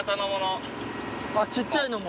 あっちっちゃいのも。